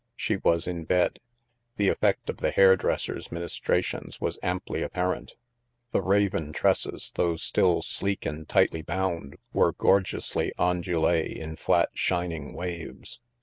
She was in bed. The effect of the hairdresser's ministrations was amply apparent ; the raven tresses, though still sleek and tightly bound, were gorgeously ondule in flat shining waves.